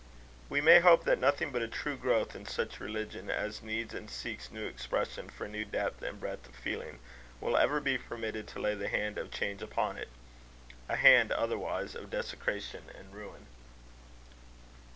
We may hope that nothing but a true growth in such religion as needs and seeks new expression for new depth and breadth of feeling, will ever be permitted to lay the hand of change upon it a hand, otherwise, of desecration and ruin.